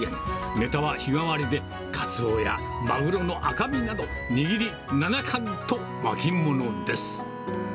ネタは日替わりで、カツオやマグロの赤身など、握り７貫と巻物です。